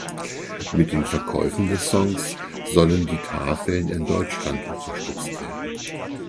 Mit den Verkäufen des Songs sollen die Tafeln in Deutschland unterstützt werden.